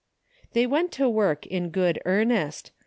They went to work in good earnest.